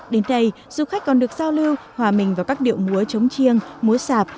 đến đây du khách còn được giao lưu hòa mình vào các điệu múa chống chiêng múa sạp